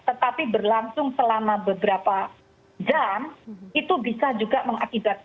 tetapi berlangsung selama beberapa jam itu bisa juga mengakibatkan